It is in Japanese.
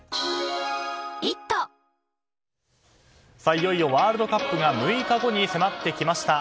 いよいよワールドカップが６日後に迫ってきました。